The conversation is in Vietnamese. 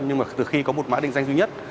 nhưng mà từ khi có một mã định danh duy nhất